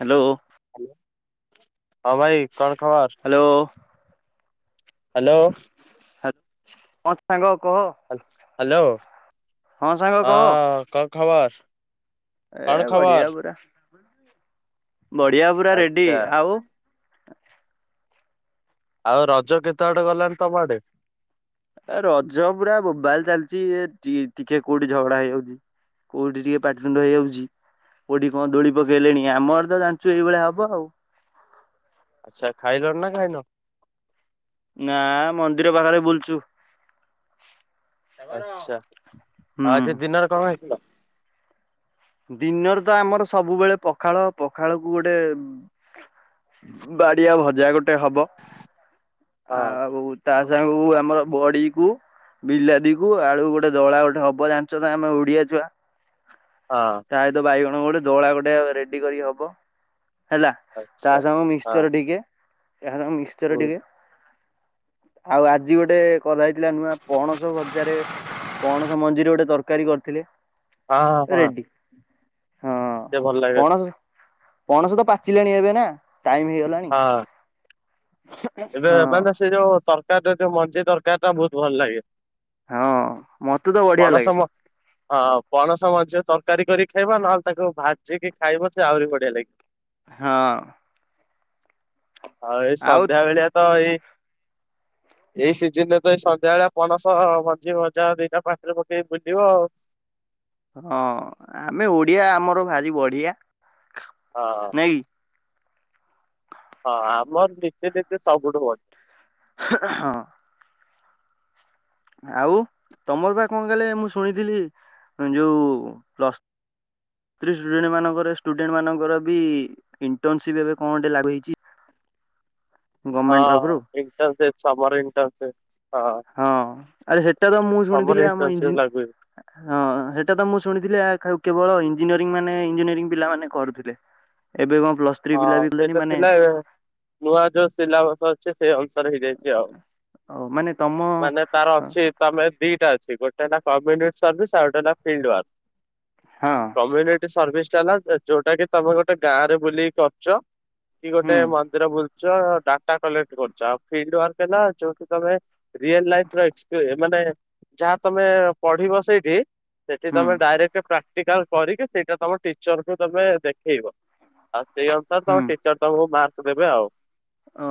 Hello. Hello ହଁ ଭାଇ କଣ ଖବର? ହ୍ୟାଲୋ। ହ୍ୟାଲୋ। ହା ହଁ ସାଙ୍ଗ କହ। ହ୍ୟାଲୋ ହଁ ସାଙ୍ଗ କହ ହଁ କ ଖବର? ଏ କଣ ବଢିଆ ଖବର? ପୁରା ବଢିଆ ପୁରା ରେଡି ଆଚ୍ଛା ଆଉ ଆଉ ରଜ କେତେ ବାଟ ଗଲାଣି ତମ ଆଡେ। ଏ ରଜ ପୁରା ବୋବାଲ ଚାଲିଛି ଏ ଟିକେ କୋଉଠି ଝଗଡା ହେଇଯାଉଛି। କୋଉଠି ଟିକେ ପାଟି ତୁଣ୍ଡ ହେଇଯାଉଚି। କଉଠି କଣ ଦୋଳି ପକେଇଲେଣି ଆମର ତ ଜାଣିଛୁ ଏଇଭଳି ହବ ଆଉ। ଆଚ୍ଛା ଖାଇଲଣି ନା ଖାଇନ? ନା ମନ୍ଦିର ପାଖରେ ବୁଲୁଛୁ ଆଛା ଆଉ ଆଜି ଦିନରେ କଣ ହେଇଥିଲା ଦଡିିନର ତ ଆମର ସବୁବେଳେ ପଖାଳ ପଖାଳକୁ ଗୋଟେ ବାଡିଆ ଭଜା ଗୋଟେ ହବ ହଁ ଆଉ ତା ସାଙ୍ଗକୁ ଆମର ବଡି କୁ ବିଲାଦି କୁ ଆଳୁ ଗୋଟେ ଦଳା ଗୋଟେ ହବ ଜାଣିଛ ଆମେ ଓଡିଆ ଛୁଆ। ହଁ। ପ୍ରାୟତ ବାଇଗଣ ଗୋଟେ ଦୋଳା ଗୋଟେ ରେଡି କରିକ ହବ। ହେଲା ତା ଆଚ୍ଛା ସାଙ୍ଗ ହଁ ମିର ଟିକେ ମିସ୍ତର ହୁଁ ଟିକେ ଆଉ ଆଜି ଗୋଟେ କ ହେଇଥିଲା ନୂଆ ପଣସ ବଜାରେ। କଣ ସେ ମଞ୍ଜିୁରରେ ଗୋଟେ ତରକାରୀ କରିଥିଲେ? ହଁଁ ହଁ। ରେଡି ହଁ ସେ ଭଲ ଲାଗେ ପଣସ ପଣସ ତ ପାଚିଲାଣି ଏବେ ନା ଟାଇମ ହେଇଗଲାଣି। ହଁ। ଏବେ ହଁ ମାନେ ସେ ଯୋଉ ତରକାରୀ ଯୋଉ ମଞ୍ଜି ତରକାରୀ ଟା ବହୁତ ଭଲ ଲାଗେ। ହଁ। ମତେ ତ ବଢିଆ ଲାଗେ ପଣସ ମ ହଁ ପଣସ ମଧ୍ୟଝି ତରକାରୀ କରି ଖାଇବା ନହେଲେ ତାକୁ ଭାଜିକି ଖାଇବ ସେ ଆହୁରି ବଢିଆ ଲାଗିବ। [inaudible] ହଁ। ଆଉ ଏଇ ସନ୍ଧ୍ୟା ବେଳିଆ ତ ଏଇ ଏଇ ସିଜିନ ରେ ତ ଏଇ ସନ୍ଧ୍ୟାବେଳେଆ ପନସ ମଞ୍ଜି ମଜା ଦିଟା ପାଖରେ ପଟେଇ ବୁଲିବ ଆଉ। ହଁ ଆମେ ଓଡିଆ ଆମର ଭାରି ବଢିଆ। ହଁ। ନାଇଁ କି? ହଁ ଆମର ନିଜେ ନିଜେ ସବୁଠୁ ଅଛି। ହଁ। ଆଉ ତମର ବା କଣ କଲେ ମୁଁ ଶୁଣିଥିଲି ଯୋଉ ଡେଣ୍ଟ ମାନଙ୍କ ଷ୍ଟୁଡେଣ୍ଟ ମାନଙ୍କର ବି ଇଣ୍ଟର୍ନସିପ ଏବେ କଣ ଗେ ଲାଗୁ ହେଇଛି। ଗଭର୍ଣ୍ଣମେଣ୍ଟ ହଁ ତରଫରୁ ଇଣ୍ଟନ୍ ସେ ସମର ଇଣ୍ଟନ୍ ସେ ହଁ ଆରେ ସେଟା ତ ମୁଁ ସମର ଶୁଣିଥିଲି ଆମ ଇଣ୍ଟର୍ନସିପ ହଁ ଲାଗୁ ସେଇଟା ତ ମୁଁ ଶୁଣିଥିଲି କେବଳ ଇଞ୍ଜିନିୟରିଂ ମାନେ ଇଞ୍ଜିନିୟରିଂ ପିଲାମାନେ କରୁଥିଲେ। ଏବେ କଣ ପ୍ଲସ ହଁ ସେଇଟା ଥିଲା ଏବେ। ନୂଆ ଯୋଉ ସିଲାବସ ଅଛି ସେଇ ଅନୁସାରେ ହେଇଯାଇଛି ଆଉ ମାନେ ତମ ମାନେ ତାର ଅଛି ତମେ ଦିଟା ଅଛି ଗୋଟେ ହେଲା କମ୍ୟୁନି ସର୍ଭିସ୍ ଆଉ ଗୋଟେ ହେଲା ଫିଲ୍ଡ ୱାର୍କ। ହଁ କମ୍ୟୁନିଟି ସର୍ଭିସ ଟା ହେଲା ଯୋଉଟା କି ତମେ ଗୋଟେ ଗାଁ ରେ ବୁଲିକି କରୁଛ? କି ହୁଁ ଗୋଟେ ମନ୍ଦିର ବୁଲୁଛ ଡାଟା କଲେକ୍ଟ କରୁଛ ଆଉ ଫ ଯୋଉଠି ତମେ ରଲ ଲ ମାନେ ଯାହା ତମେ ପଢିବ ସେଇଠି ସେଠି ହୁଁ ତମେ ଡାଇରେକ୍ଟ ପ୍ରାକ୍ଟିକାଲ କରିକି ସେଇଟା ତମ ଟିଚର କୁ ତମେ ଦେଖେଇବ। ଆଉ ସେଇ ଅନୁସାରେ ହୁଁ ତମ ଟିଚର ତମକୁ ମାର୍କ ଦେବେ ଆଉ। ଓ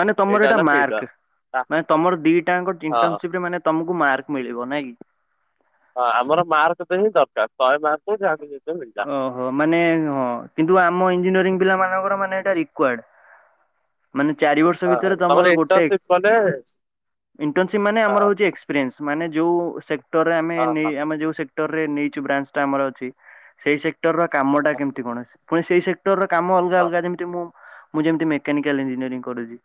ମାନେ ତମର ଏଇଟା ହେଲା ଫିଲ୍ଡ ମାର୍କ ୱାର୍କ। ମାନେ ତମର ଦିଟାଙ୍କ ହଁ ଇଣ୍ଟନସିପ ରେ ମାନେ ତମକୁ ମାର୍କ ମିଳିବ ନାଇଁ କି? ହଁ ଆମର ମାର୍କତେ ହିଁ ଦରକାର ଶହେ ମାର୍କକୁ ଯାହା କେତେ ମିଳିଲା? ହଁ ମାନେ ହଁ କିନ୍ତୁ ଆମ ଇଞ୍ଜିନିୟରିଂ ପିଲା ମାନଙ୍କର ମାନେ ରିଡୱରକ। ମାନେ ଚାର ବର୍ଷ ହଁ ଭିତରେ ତମର ଗୋଟେ ଇଣ୍ଟର୍ନସିପ କଲେ ଇଣ୍ଟସିପ ମାନେ ହଁ ଆମର ଏକ୍ସପିରିଏନ୍ସ ମାନେ ଯେଉଁ ସେକ୍ଟରରେ ଆମେ ହଁ ହଁ ନେଇ ଆମେ ଯେଉଁ ସେକ୍ଟରରେ ନେଇଛୁ ବ୍ରାଞ୍ଚଟା ଆମର ଅଛି ସେଇ ସେକ୍ଟର ର କାମ ଟା ହଁ କେମିତି କଣ ପୁଣି ସେଇ ସେକ୍ଟର ର କାମ ଅଲଗା ହଁ ଅଲଗା ଯେମିତି ମୁଁ ମୁଁ ଯେମିତି ମେକାନିକାଲ ଇଞଜିନିୟରିଂ କରୁଛି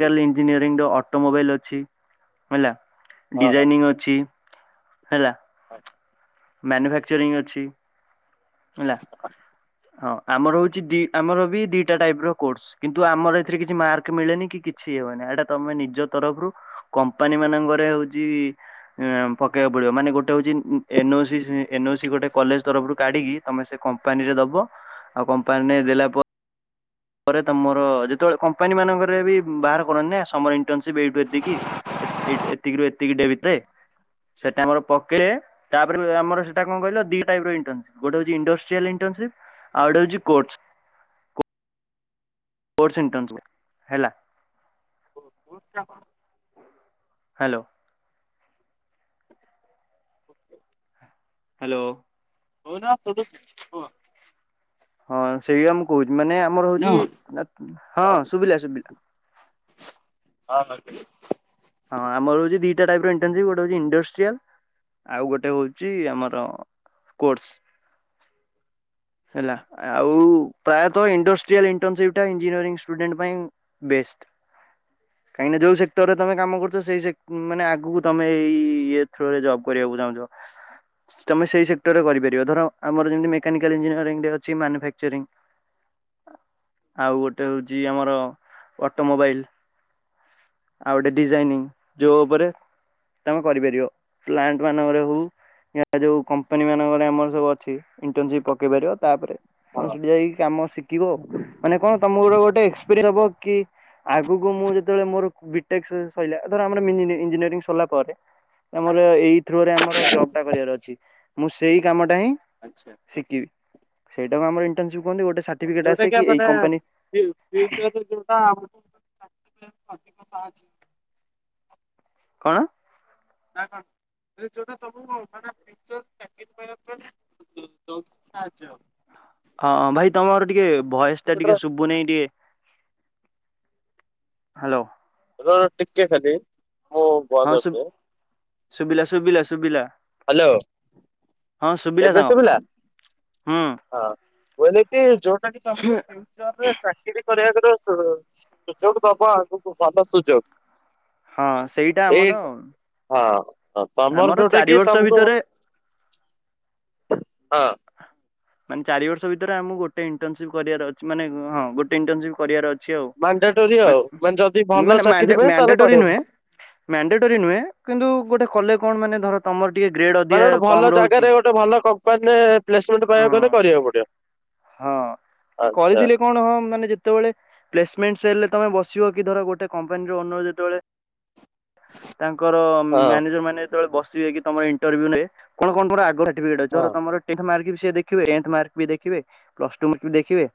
ହଁ। ଇଞ୍ଜିନିୟରିଂ ର ଅଟୋ ମୋବାଇଲ୍ ଅଛି ହେଲା ଡିଜାଇନିଂ ଅଛି ହେଲା। ହଁ। ମ୍ୟାନୁଫାକ୍ଚରିଂ ଅଛି ହେଲା। ହଁ ଆମର ହଉଛି ଦି ଆମର ବି ଦିଟା ଟାଇପ ର କୋର୍ସ କିନ୍ତୁ ଆମର ଏଥିରେ କିଛି ମାର୍କ ମିଳେନି କି କିଛି ଇଏ ହୁଏନି ଏଇଟା ତମେ ନିଜ ତରଫରୁ କମ୍ପାନୀ ମାନଙ୍କରେ ହଉଛି, ଇଁ ପକେଇବାକୁ ପଡିବ, ମାନେ ଗୋଟେ ହଉଛି N O C C N O C ଗୋଟେ କଲେଜ ତରଫରୁ କାଢିକି, ତମେ ସେ କମ୍ପାନୀ ରେ ଦବ। ଆଉ କମ୍ପାନୀରେ ଦେଲା ପରେ ପରେ ତମର ଯେତେବେଳେ କମ୍ପାନୀ ମାନଙ୍କରେ ବି ବାହାର କରନ୍ତି, ନା ସମର ଇଣ୍ଟନସିପ୍ ଏଇଠୁ ଏତିକି। ଏତିକିରୁୁ ଏତିକି ଡେ ବିତେ। ସେଟା ଆମର ପକେ ତା'ପରେ ଆମର ସେଟା କଣ କହିଲ? ଦି ଟାଇପ୍ ର ଇଣ୍ଟନସିପ୍ ଗୋଟେ ହଉଛି ଇଣ୍ଡଷ୍ଟ୍ରିଆଲ୍ ଇନଣ୍ଟନସିପ୍। ଆଉ ଡେ ହଉଛି କୋଟ୍ସ। କୋଡ଼୍ସ ଇନ୍ଟନସବଲ୍ ହେଲା। [inaudible] ହ୍ୟାଲୋ। ହ୍ୟାଲୋ। କଉଦା ଝୁଲୁଛି। ହଁ, ସେଇଆ ମୁଁ କହୁଛି। ମାନେ ଆମର ହଉଛି, ହଁ ଶୁଭିଲା, ଶୁଭିଲା। ହଁ ନଥିଲେ। ହଁ ଆମର ହଉଛି ଦିଟା ଟାଇପ୍ ର ଇଣ୍ଟନସିପ୍। ଗୋଟେ ହଉଛି, ଇଣ୍ଡଷ୍ଟ୍ରିଆଲ୍। ଆଉ ଗୋଟେ ହଉଛି ଆମର କୋଟ୍ସ। [inaudible] ହେଲା ଆଉ ପ୍ରାୟତ, ଇଣ୍ଡଷ୍ଟ୍ରିଆଲ୍ ଇଣ୍ଟନସିପ୍ ଟା ଇଞ୍ଜିନିଅରିଙ୍ଗ୍ ସ୍ଟୁଡେଣ୍ଟ ପାଇଁ ବେଷ୍ଟ। କାଇଁ ନ ଯଉ ସେକ୍ଟରେ ତମେ କାମ କରୁଛ, ସେଇ ସେକ୍ ମାନେ ଆଗକୁ ତମେ, ଏଇ ଥ୍ରୋରେ ଜବ୍ କରିବାକୁ ଚାହୁଁଛ। ତମେ ସେଇ ସେକ୍ଟରରେ କରିପାରିବ। ଧର ଆମର ଯେମତି ମେକାନିକାଲ୍ ଇଞ୍ଜିନିୟରିଂ ରେ ଅଛି, ମାନୁଫାକ୍ଚରିଂ। [inaudible] ଆଉ, ଗୋଟେ ହଉଛି, ଆମର ଅଟୋମୋବାଇଲ୍। ଆଉ ଗୋଟେ ଡିଜାଇନିଂ, ଯୋଉ ଉପରେ ତମେ କରିପାରିବ। ପ୍ଲାଣ୍ଟ ମାନଙ୍କରେ ହଉ ୟା ଯୋଉ କମ୍ପାନୀ ମାନଙ୍କରେ, ଆମର ସବୁ ଅଛି। ଇଣ୍ଟର୍ନସିପ୍ ପକେଇ ପାରିବ। ତା'ପରେ ତମେ ହଁ ସେଠି ଯାଇକି କାମ ଶିଖିବ ଆଉ। ମାନେ କଣ, ତମ ର ଗୋଟେ ଏକ୍ସପେରିଏସ୍ ହବ କି ଆଗକୁ ମୁଁ ଯେତେବେଳେ ମୋର, ବି ଟେକ୍ସ ସଇଲା, ଧର ଆମର ଇଞ୍ଜିନିୟରିଂ ସରିଲା ପରେ ଆମର ଏଇ ଥ୍ରୋରେ ଆମର ଜବ୍ ଟା କରିବାର ଅଛି। ମୁଁ ସେଇ କାମ ଟା ହିଁ ଆଚ୍ଛା। ଶିଖିବି। ସେଇଟାକୁ ଆମର ଇଣ୍ଟର୍ନସିପ୍ କହନ୍ତି। ଗୋଟେ ସାର୍ଟିଫିକେଟ ଯୋଉଟା ଆସେ କି ଆ ଏଇ ମାନେ କମ୍ପାନୀ ଯି-ଯିଉ [unintelligible] ଯଉଟା [inaudible] କଣ? ନା କଣ, ଯୋଉଟା ସବୁ-ଉ ମାନେ ପିକ୍ଚର୍ ପ୍ୟାକେଜ୍ ପାଇବା [unintelligible] ଦ-ଦଉଛି ସାହାଯ୍ୟ ହଁ, ଭାଇ ତମର ଟିକେ ଭଏସ୍ ଟା ଟିକେ ଶୁଭୁ ନେହିଁ ଟିଏ ହ୍ୟାଲୋ। ରୁହ, ରୁହ ଟିକେ ଖାଲି ମୁଁ ହଁ, ବନ୍ଦ ଶୁଭ୍ କରିଦିଏ ଶୁଭିଲା ଶୁଭିଲା ଶୁଭିଲା। ହ୍ୟାଲୋ। ହଁ, ଶୁଭିଲା ସାଙ୍ଗ। ହୁଁ। ହଁ, ବୋଇିଲେ କି ଯୋଉଟା ଟିକେ ଆମକୁ ଫିଉ ଚରରେ ଚାକିରି କରିବାକୁ ଦଉ, ସୁଯୋଗ ଦବ ଆଗ ଭଲ ସୁଯୋଗ। ହଁ, ସେଇଟା ଏଇ ଆମର ହଁ, ତମର ଆମର ଯୋଉଟା ଚାରି କି ବର୍ଷ ତମକୁ ହଁ। ଭିତରେ ମାନେ ଚାରି ବର୍ଷ ଭିତରେ ଆମକୁ ଗୋଟେ ଇଣ୍ଟର୍ନସିପ୍ କରିବାର ଅଛି। ମାନେ ହଁ ଗୋଟେ ଇଣ୍ଟର୍ନସିପ୍ କରିବାର ଅଛି। ଅଛି ଆଉ। ମାଣ୍ଡାଟୋରି ମା ଆଉ ମାନେ ଯଦି - ଭଲ ମାନେ ଚାକିରି ମ୍ୟାନ୍ଡେ ପାଇଁ ତାହେଲେ ମ୍ୟାନ୍ଡେଟୋରି କରିବାକୁ ନୁହେଁ। ପଡିବ। ମାଣ୍ଡେଟୋରୀ ନୁହେଁ। କିନ୍ତୁ, ଗୋଟେ କଲେ କଣ ମାନେ ଧର ତମର ଟିକେ ଗ୍ରେଡ୍ ଅଧିକା କମ୍ ରହୁଛି। ତ ଭଲ କମ୍ପାନୀରେ ପ୍ଲେସମେଣ୍ଟ ହଁ ପାଇବାକୁ ଗଲେ କରିବାକୁ ପଡିବ। ହଁ, ଆଚ୍ଛା କରିଥିଲି କଣ, ହଁ ମାନେ ଯେତ୍ ଯେତେବେଳେ ପ୍ଲେସମେଣ୍ଟ ହେଲେ ତମେ ବସିବ କି, ଧର ଗୋଟେ କମ୍ପାନୀର ଓନର୍ ଯେତେବେଳେ [inaudible] ତାଙ୍କର ହଁ ମ୍ୟାନେଜର ମାନେ ଯେତବେଳେ ବସିବେ କି ତମର ଇଣ୍ଟରଭ୍ୟୁ ନେବେ, କଣ କଣ ତମର ଆଗରେ ହଁ ରେଜେଲ୍ଟ ତମର ଟେନ୍ଥ ମାର୍କ ସେ ଦେଖିବେ, ଟେନ୍ଥ ମାର୍କ ବି ଦେଖିବେ, ପ୍ଲସ୍ ଟୁ ମାର୍କ ବି ଦେଖିବେ।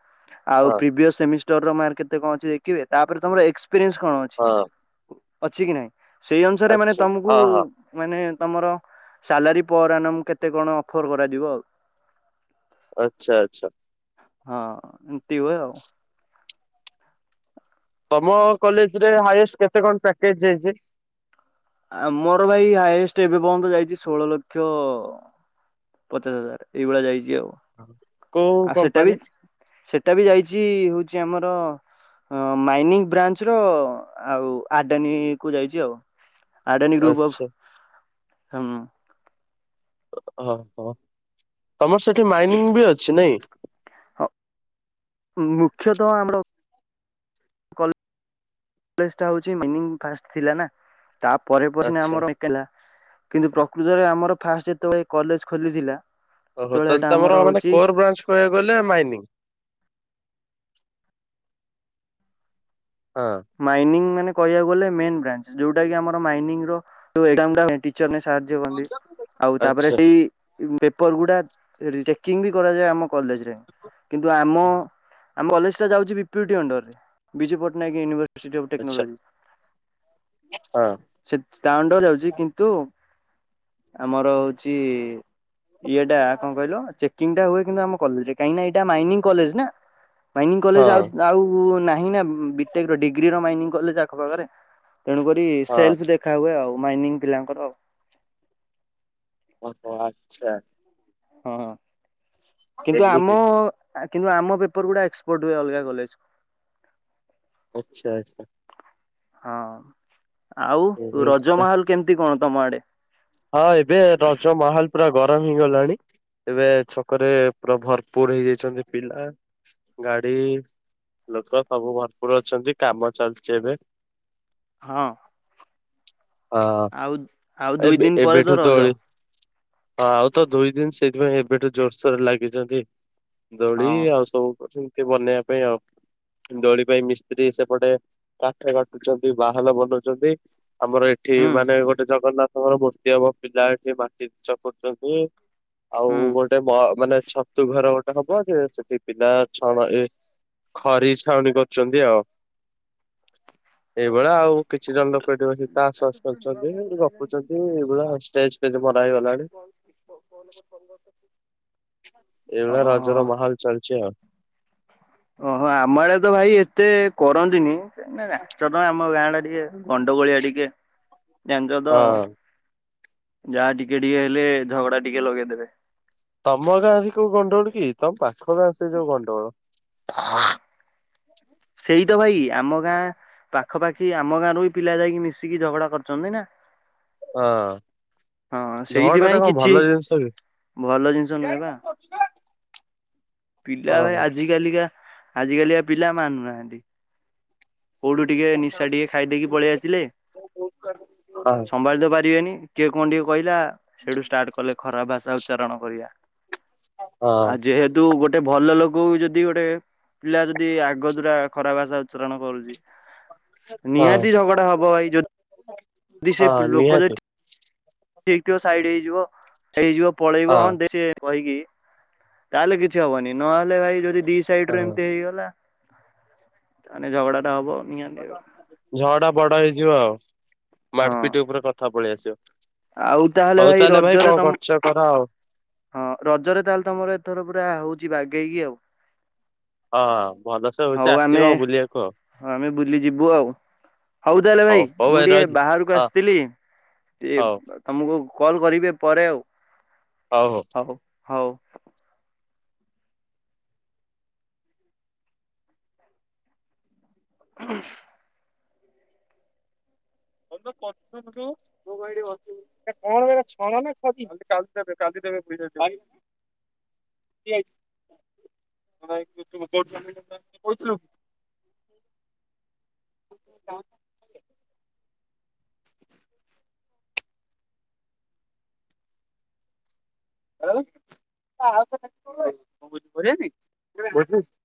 ଆଉ ହଁ ପ୍ରିଭିଅସ ସେମିଷ୍ଟର ମାର୍କ କେତେ କଣ ଅଛି ଦେଖିବେ, ତାପରେ ତମର ଏକ୍ସପିରିଏନ୍ସ କଣ ଅଛି ହଁ। ଅଛି କି ନାଇଁ, ସେଇ ଅନୁସାରେ ମାନେ ଆଚ୍ଛା ତମକୁ ହଁ ହଁ ମାନେ ତମର ସାଲାରୀ ପର ଆନାମ୍ କେତେ କଣ ଅଫର କରାଯିବ ଆଉ। ଆଚ୍ଛା, ଆଚ୍ଛା। ହଁ ଏମିତି ହୁଏ ଆଉ। ତମ କଲେଜରେ ହାଏଷ୍ଟ କେତେ କଣ ପ୍ୟାକେଜ ଯାଇଛି? ଆମର ଭାଇ ହାଇଏଷ୍ଟ ଏବେ ପର୍ଯ୍ୟନ୍ତ ଯାଇଛି ଷୋହଳ ଲକ୍ଷ। ପଚାଶ ହଜାର ଏଇଭଳିଆ ଯାଇଛି ଆଉ, କୋଉ ଆଉ ସେଟା ବି କମ୍ପାନୀ ସେଟା ବି ଯାଇଛି ହଉଛି ଆମର ହଁ ମାଇନିଂ ବ୍ରାଞ୍ଚ ର ଆଉ ଆଡାନୀ କୁ ଯାଇଛି ଆଉ। ଆଡ଼ାନୀ ଗ୍ରୁପ ଅଫ୍ ଆଚ୍ଛା ହଁ। ହଁ ହଁ, ତମର ସେଠି ମାଇନିଂ ବି ଅଛି ନାଇଁ? ମୁଖ୍ୟତଃ ଆମର କଲ ଫାଷ୍ଟ ଟା ହେଉଛି ମିନିଂ ଫାର୍ଷ୍ଟ ଥିଲା ନା। ତାପରେ ପ - ସିନା ଆଚ୍ଛା। ଆମର ଭେକେଣ୍ଟ ଲା କିନ୍ତୁ ପ୍ରକୃତରେ ଆମର ଫାଷ୍ଟ ଯେତେବେଳେ କଲେଜ ଖୋଲିଥିଲା। ସେତେବେଳେ ବର୍ତମାନ ଏଟା ଆମର ତମର ମାନେ ହଉଛି କୋର ବ୍ରାଞ୍ଚ କହିବାକୁ ଗଲେ ମାଇନିଂ। ହଁ। ମାଇନିଂ ମାନେ କହିବାକୁ ଗଲେ ମେନ୍ ବ୍ରାଞ୍ଚ ଜଉଟା କି ଆମର ମାଇନିଙ୍ଗର ଟୁ ଏକ୍ସାମର ଟିଚରନେସ ସାଥ ଆଉ ତାପରେ ଆଚ୍ଛା ସେଇ ପେପର ଗୁଡା ରିଚେକିଂ ବି କରାଯାଏ ଆମ କଲେଜରେ, କିନ୍ତୁ ଆମ ଆମ କଲେଜଟା ଯାଉଛି ବି ପି ୟୁ ଟି ଅଣ୍ଡରରେ, ବିଜୁ ପଟ୍ଟନାୟକ ୟୁନିଭର ଫିଜିଓ ଆଚ୍ଛା। ଟେକ୍ନୋଲଜି। ହଁ ସେ ତା ଅଣ୍ଡରରେ ଯାଉଛି କିନ୍ତୁ ଆମର ହେଉଛି ଇଏଟା କଣ କହିଲ ଚେକିଂ ଟା ହୁଏ କିନ୍ତୁ ଆମ କଲେଜରେ, କାହିଁକି ନା ଏଇଟା ମାଇନିଂ କଲେଜ ନା। ମାଇନିଂ କଲେଜ ହଁ ଆଉ ଆଉ ନାହିଁ ନା ବି ଟେ କ ର ଡିଗ୍ରୀ ର ମାଇନିଂ କଲେଜ ଆଖ ପାଖରେ। ତେଣୁକରି ହଁ ସେଲ୍ଫ ଦେଖାହୁଏ ଆଉ ମାଇନିଂ ପିଲାଙ୍କର ଆଉ। ଓହୋ ଆଚ୍ଛା। ହଁ, କିନ୍ତୁ ଏମିତି ଆମ କିନ୍ତୁ ଆମ ପେପର ଗୁଡା ଏକ୍ସପର୍ଟ ହୁଏ ଅଲଗା କଲେଜକୁ। ଆଚ୍ଛା ଆଚ୍ଛା। ହଁ ଆଉ ରଜ ହଁ ମାହଲ କେମିତି କଣ ତମ ଆଡେ? ହଁ ଏବେ ରଜ ମାହଲ ପୁରା ଗରମ ହେଇଗଲାଣି, ଏବେ ଛକରେ ପୁରା ଭରପୁର ହେଇଯାଇଛନ୍ତି ପିଲା। ଗାଡ଼ି ଲୋକ ସବୁ ଭରପୁର ଅଛନ୍ତି କାମ ଚାଲିଛି ଏବେ। ହଁ। ହଁ ଆଉ, ଆଉ ଦୁଇ ଏବେ ଦିନ ପରେ ତ ଏବେଠୁ ରଜ ଦୋଳି, ଆଉ ତ ଦୁଇ ଦିନ ସେଇଥିପାଇଁ ଏବେଠୁ ଜୋରସୋରରେ ଲାଗିଛନ୍ତି। ଦୋଳି ହଁ ଆଉ ସବୁ ସେମିତି ବନେଇବା ପାଇଁ ଆଉ, ଦୋଳି ପାଇଁ ମିସ୍ତ୍ରୀ ସେପଟେ କାଠ କାଟୁଛନ୍ତି ବାହାଲ ବନଉଛନ୍ତି ଆମର ଏ ଏଠି ହୁଁ ମାନେ ଗୋଟେ ଜଗନ୍ନାଥଙ୍କର ମୂର୍ତ୍ତି ହବ, ପିଲା ଏଠି ମାଟି ଚକଟୁଛନ୍ତି। ଆଉ ହୁଁ। ଗୋଟେ ମ ମାନେ ଛତୁ ଘର ଗୋଟେ ହବ ଯେ ସେଠି ପିଲା ଛଣ ଏ ଖରି ଛାଉଣୀ କରୁଛନ୍ତି ଆଉ। ଏଇଭଳିଆ ଆଉ, କିଛି ଜଣ ଲୋକ ଏଠି ବସି ତାସ ବାସ ଖେଳୁଛନ୍ତି, ଗପୁଛନ୍ତି। ଏଇଭଳିଆ ଷ୍ଟେଜ ଫେଜ ମରା ହେଇଗଲାଣି [inaudible] ଏଇଭଳିଆ ଓହୋ ରଜର ମାହୋଲ ଚାଲିଛି ଆଉ। ଓହୋ ଆମ ଆଡେ ତ ଭାଇ ଏତେ କରନ୍ତିନି ତମେ ଜାଣିଚ ତ ଆମ ଗାଁ ଟା ଟିକେ ଗଣ୍ଡଗୋଳିଆ ଟିକେ ଜାଣିଛ ତ ଆଉ ହଁ। ଯାହା ଟିକେ ଟିକେ ହେଲେ ଝଗଡା ଟିକେ ଲଗେଇଦେବେ ତମ ଗାଁରେ କୋଉ ଗଣ୍ଡଗୋଳ କି ତମ ପାଖ ଗାଁ ସେ ଯୋଉ ଗଣ୍ଡଗୋଳ ସେଇ ତ ଭାଇ ଆମ ଗାଁ। ପାଖପାଖି ଆମ ଗାଁରୁ ବି ପିଲା ଯାଇକି ମିଶିକି ଝଗଡା କରିଛନ୍ତି ନା। ହଁ। ହଁ ଝଗଡାଟା ସେଇଥିପାଇଁ କଣ କିଛି ଭଲ ଜିନିଷ କି ଭଲ ଜିନିଷ ନୁହେଁବା ପିଲା ଭାଇ ହଁ। ଆଜିକାଲିକା ଆଜିକାଲିକା ପିଲା ମାନୁନାହାନ୍ତି। କୋଉଠୁ ଟିକେ ନିଶା ଟିକେ ଖାଇଦେଇକି ପଳେଇ ଆସିଲେ ହଁ ସମ୍ଭାଳିତ ପାରିବେନି। କିଏ କଣ ଟିକେ କହିଲା ସେଇଠୁ ଷ୍ଟାର୍ଟ କଲେ ଖରାପ ଭାଷା ଉଚ୍ଚାରଣ କରିବା ଆଉ ହଁ ଯେହେତୁ ତୁ ଗୋଟେ ଭଲ ଲୋକ ଯଦି ଗୋଟେ ପିଲା ଯଦି ଆଗ ଦୁରା ଖରା ଭାଷା ଉଚ୍ଚାରଣ କରୁଛି ହଁ ନିହାତି ଝଗଡା ହବ ଭାଇ ଯଦି ଯଦି ସେ ହଁ ଲୋକ ନିହାତି ଯଦି ଠିକ ଥିବ ସାଇଡ ହେଇଯିବ ହେଇଯିବ ପଳେଇବ ହଁ ଦେ କହିକି ତାହେଲେ କିଛି ହବନି ନହେଲେ ଭାଇ ଯଦି ଦିଶ୍ ସାଇଡୁ ହଁ। ଏମତି ହେଇଗଲା ତାହାଲେ ଝଗଡା ଟା ହବ। ନିହାତି ଆଉ ଝଗଡ଼ା ବଗଡ଼ା ହେଇଯିବ ଆଉ ହଁ ମାଡ୍ ପିଟି ଉପରେ କଥା ପଳେଇ ଆସିବ। ଆଉ ତାହେଲେ ହଉ ଭାଇ ରଜରେ କଣ ତମ କରୁଛ କର ଆଉ ହଁ ରଜରେ ତାହଲେ ତମର ଏଥର ପୁରା ହଉଚି ବାଗେଇକି ଆଉ। ହଁ ଭଲସେ ହଉଛି ହଉ ଆମେ ଆସିବ ବୁଲିବାକୁ ଆମେ ବୁଲି ଯିବୁ ଆଉ। ହଉ ତାହେଲେ ଆଉ ଭାଇ ହଉ ହଉ ମୁଁ ଟିକେ ରହିଲି ବାହାରକୁ ହଁ ଆସିଥିଲି। ହଉ ତମକୁ କଲ କରିବେ ପରେ ଆଉ। ହଉ ହଉ। ହଉ ହଉ। [inaudible] [inaudible] କାଲି ଦେବେ କାଲି ଦେବେ [unintelligible] [unintelligible] କୋଠୁ କହୁଥିଲ? [unintelligible] [inaudible] [inaudible]